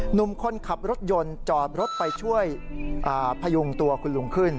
หนุ่มคนขับรถยนต์จอดรถไปช่วยพยุงตัวคุณลุงขึ้น